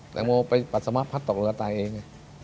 แตงโมไปปรัชสมาร์ตพักตกเรือตายเอง